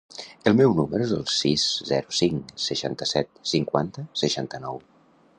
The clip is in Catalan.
El meu número es el sis, zero, cinc, seixanta-set, cinquanta, seixanta-nou.